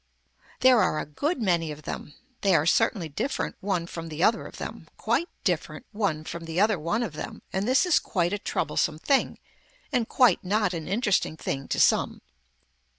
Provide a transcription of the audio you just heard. There are a good many of them. They are certainly different one from the other of them, quite different one from the other one of them and this is quite a troublesome thing and quite not an interesting thing to some.